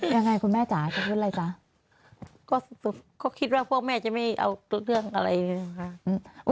ยังไงคุณแม่จ๋าจะพูดอะไรจ๊ะก็คิดว่าพวกแม่จะไม่เอาเรื่องอะไรเลยค่ะ